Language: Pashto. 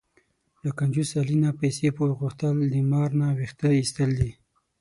له کنجوس علي نه پیسې پور غوښتل، د مار نه وېښته ایستل دي.